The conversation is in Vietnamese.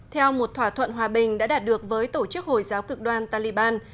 theo một thỏa thuận hòa bình đã đạt được với tổ chức hồi giáo cực đoan taliban